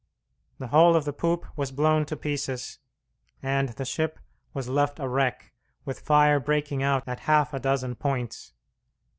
The whole of the poop was blown to pieces, and the ship was left a wreck with fire breaking out at half a dozen points.